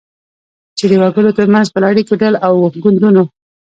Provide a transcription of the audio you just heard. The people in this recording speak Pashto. چی د وګړو ترمنځ پر اړیکو، ډلو او ګوندونو